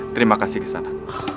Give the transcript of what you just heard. terima kasih kesana